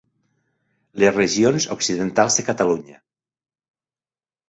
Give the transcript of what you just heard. Les regions occidentals de Catalunya.